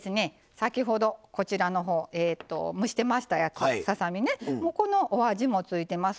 先ほどこちらの方蒸してましたやつをささ身ねもうこのお味も付いてます。